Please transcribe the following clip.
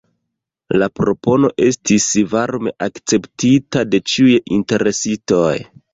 La propono estis varme akceptita de ĉiuj interesitoj.